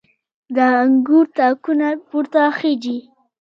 د انګور تاکونه پورته خیژي